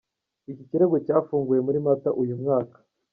Iki kirego cyafunguwe muri Mata uyu mwaka.